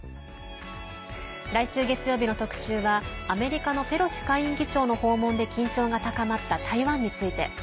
来週月曜日の特集はアメリカのペロシ下院議長の訪問で緊張が高まった台湾について。